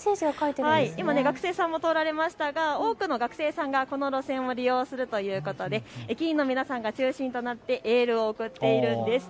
今、学生さんも通られましたが多くの学生さんがこの線を利用するということで駅員の皆さんが中心となってエールを送っているんです。